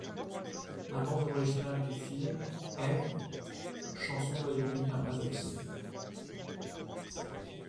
La bande originale du film ' est ', chanson d’Ayumi Hamasaki.